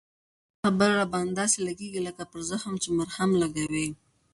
ستا خبري را باندي داسی لګیږي لکه پر زخم چې مرهم لګوې